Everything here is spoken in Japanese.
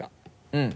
うん。